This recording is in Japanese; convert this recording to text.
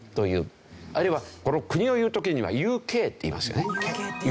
あるいはこの国を言う時にはＵＫって言いますよね。